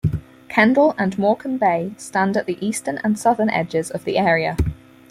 Kendal and Morecambe Bay stand at the eastern and southern edges of the area.